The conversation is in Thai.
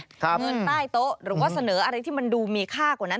เงินใต้โต๊ะหรือว่าเสนออะไรที่มันดูมีค่ากว่านั้น